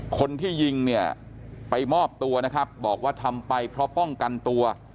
คนที่ยิงเนี่ยไปมอบตัวนะครับบอกว่าทำไปเพราะป้องกันตัว